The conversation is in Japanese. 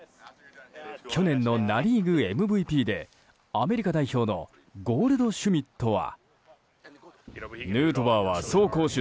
去年のナ・リーグＭＶＰでアメリカ代表のゴールドシュミットは。